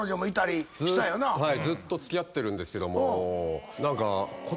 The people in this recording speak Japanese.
ずっと付き合ってるんですけども。